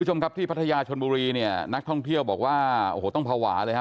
คุณผู้ชมครับที่พัทยาชนบุรีเนี่ยนักท่องเที่ยวบอกว่าโอ้โหต้องภาวะเลยฮะ